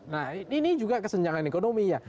nah ini juga kesenjangan ekonomi ya